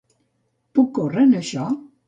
Puc córrer en això?